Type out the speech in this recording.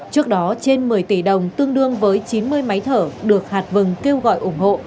trước đó trên một mươi tỷ đồng tương đương với chín mươi máy thở được hạt vừng kêu gọi ủng hộ